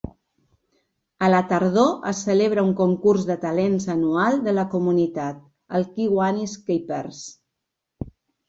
A la tardor es celebra un concurs de talents anual de la comunitat, el Kiwanis Kapers.